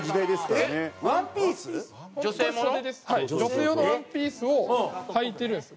女性用のワンピースをはいてるんですよ